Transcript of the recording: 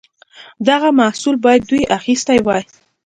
دغه محصول باید دوی اخیستی وای.